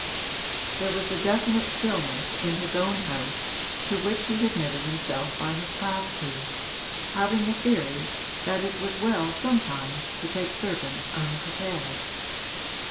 There was definite stillness in his own house, to which he admitted himself by his pass key, having a theory that it was well sometimes to take servants unprepared.